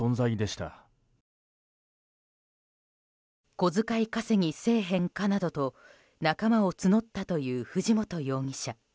小遣い稼ぎせえへんかなどと仲間を募ったという藤本容疑者。